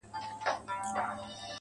په سپين لاس کي يې دی سپين سگريټ نيولی,